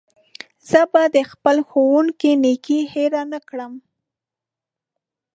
زه به د خپل ښوونکي نېکي هېره نه کړم.